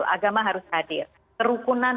agama harus hadir